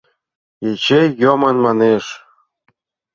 Эчей йомын, манеш.